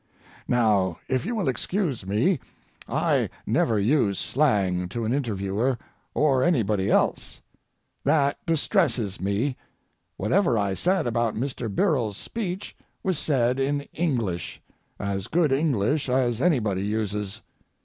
Now, if you will excuse me, I never use slang to an interviewer or anybody else. That distresses me. Whatever I said about Mr. Birrell's speech was said in English, as good English as anybody uses.